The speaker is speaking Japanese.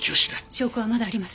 証拠はまだあります。